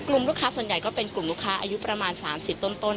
ลูกค้าส่วนใหญ่ก็เป็นกลุ่มลูกค้าอายุประมาณ๓๐ต้น